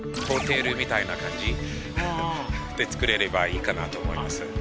ホテルみたいな感じで作れればいいかなと思います。